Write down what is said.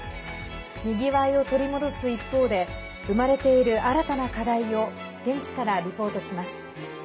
にぎわいを取り戻す一方で生まれている新たな課題を現地からリポートします。